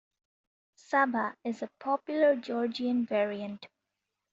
Saba is a popular Georgian variant.